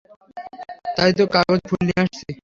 তাই তো কাগজের ফুল নিয়ে আসছি।